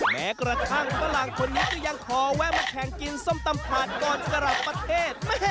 แม้กระทั่งฝรั่งคนนี้ก็ยังขอแวะมาแข่งกินส้มตำผ่านก่อนกลับประเทศ